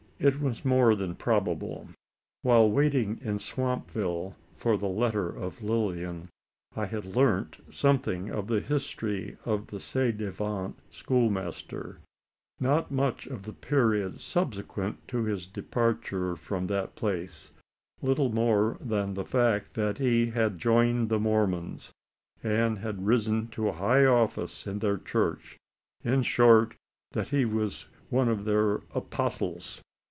It was more than probable. While waiting in Swampville for the letter of Lilian, I had learnt something of the history of the ci devant schoolmaster not much of the period subsequent to his departure from that place little more than the fact that he had joined the Mormons, and had risen to high office in their church in short, that he was one of their "apostles."